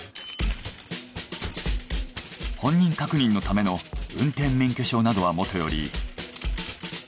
本人確認のための運転免許証などはもとより。